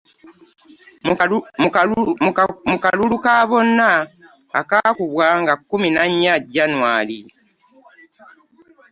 Mu kalulu ka bonna akaakubwa nga kkumi na nnya Jjanwali.